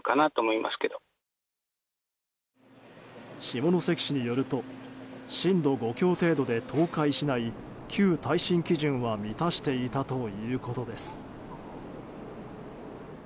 下関市によると震度５強程度で倒壊しない旧耐震基準は満たしていたということです。